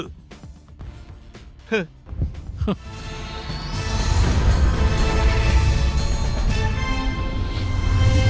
คุณสมบัติความสามารถต่อสู้กับจางเลี่ยง